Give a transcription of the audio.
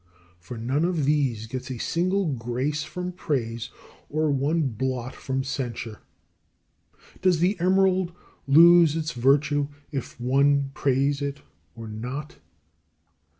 For none of these gets a single grace from praise or one blot from censure. Does the emerald lose its virtue if one praise it not?